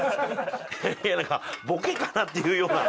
いやなんかボケかなっていうような。